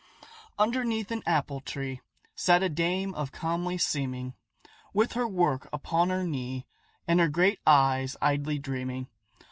Underneath an apple tree Sat a dame of comely seeming, With her work upon her knee, And her great eyes idly dreaming.